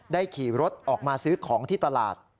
ขี่รถออกมาซื้อของที่ตลาด